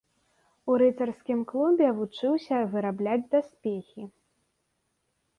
У рыцарскім клубе вучыўся вырабляць даспехі.